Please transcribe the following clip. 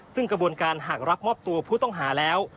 ซึ่งกระบวนการหากรับมอบตัวผู้ต้องหาแล้ว